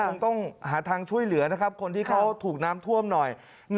คงต้องหาทางช่วยเหลือนะครับคนที่เขาถูกน้ำท่วมหน่อย